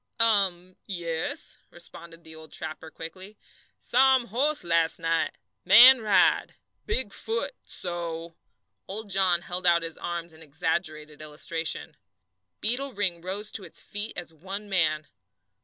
"Um, yes," responded the old trapper, quickly. "Saw um horse las' night man ride big foot so." Old John held out his arms in exaggerated illustration. Beetle Ring rose to its feet as one man.